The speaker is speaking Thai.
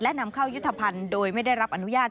และนำเข้ายุทธภัณฑ์โดยไม่ได้รับอนุญาต